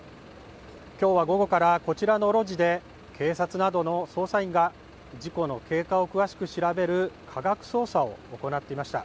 今日は午後からこちらの路地で警察などの捜査員が事故の経過を詳しく調べる科学捜査を行っていました。